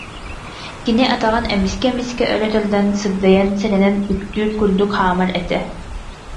Кини атаҕын эмискэ-эмискэ өрө тардан, сыбдыйан, сэрэнэн үктүүр курдук хаамар этэ